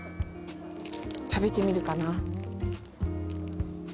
食べてみるかな。